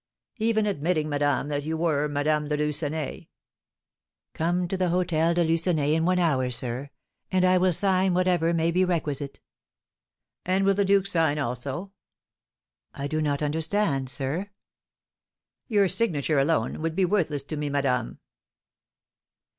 "Even admitting, madame, that you were Madame de Lucenay " "Come to the Hôtel de Lucenay in one hour, sir, and I will sign whatever may be requisite." "And will the duke sign, also?" "I do not understand, sir." "Your signature, alone, would be worthless to me, madame."